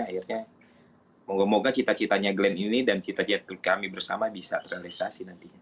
akhirnya moga moga cita citanya glenn ini dan cita cita kami bersama bisa terrealisasi nantinya